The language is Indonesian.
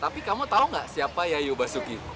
tapi kamu tahu nggak siapa yayu basuki